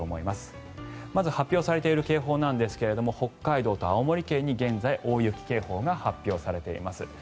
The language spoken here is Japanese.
まず発表されている警報ですが北海道と青森県に現在、大雪警報が発表されています。